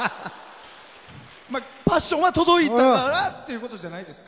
パッションは届いたかなってことじゃないですか。